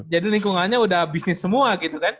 jadi lingkungannya udah bisnis semua gitu kan